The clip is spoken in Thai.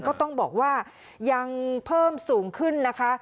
ก็ต้องบอกว่ายังเพิ่มสูงขึ้นนะคะ